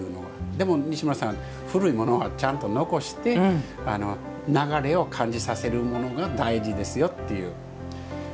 でも西村さん古いものはちゃんと残して流れを感じさせるものが大事ですよっていう。